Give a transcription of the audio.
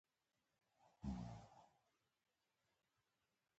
ازادي راډیو د بانکي نظام ستر اهميت تشریح کړی.